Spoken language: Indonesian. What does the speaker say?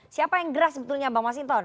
siapa yang geras sebetulnya bang masinton